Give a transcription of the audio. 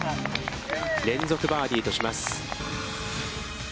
連続バーディーとします。